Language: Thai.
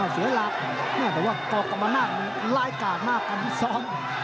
เสียหลักแน่นอนว่ากรกรมนาฏมีลายกากมากกับพี่ซ้อม